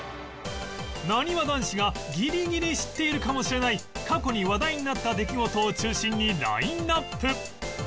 なにわ男子がギリギリ知っているかもしれない過去に話題になった出来事を中心にラインアップ